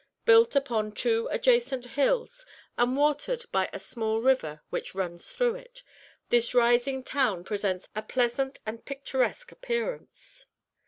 Built upon two adjacent hills, and watered by a small river which runs through it, this rising town presents a pleasant and picturesque appearance.